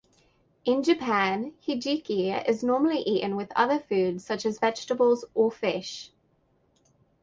In Japan, hijiki is normally eaten with other foods such as vegetables or fish.